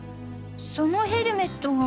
そのヘルメットが。